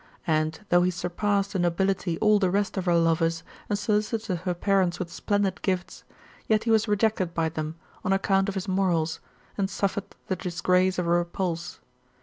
And, though he surpassed, in nobility, all the rest of her lovers, and solicited her parents with splendid gifts ; yet he was rejected by them, on account of his morals, and su£fered the disgrace of a THE METAMORPHOSIS, ETC. laj repulse.